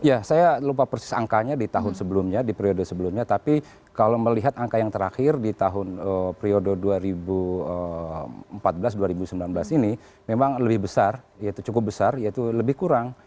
ya saya lupa persis angkanya di tahun sebelumnya di periode sebelumnya tapi kalau melihat angka yang terakhir di tahun periode dua ribu empat belas dua ribu sembilan belas ini memang lebih besar cukup besar yaitu lebih kurang